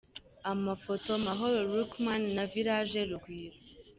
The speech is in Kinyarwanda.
Amafoto: Mahoro Luqman na Village Urugwiro.